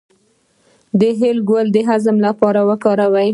د هل ګل د هضم لپاره وکاروئ